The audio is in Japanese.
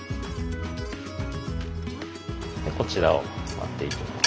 こちらを割っていきます。